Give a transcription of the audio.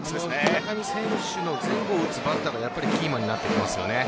村上選手の前後を打つバッターはキーマンになってきますよね。